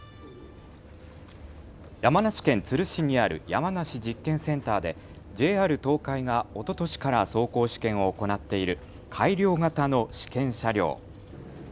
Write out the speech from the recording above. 山梨県都留市にある山梨実験センターでＪＲ東海がおととしから走行試験を行っている改良型の試験車両。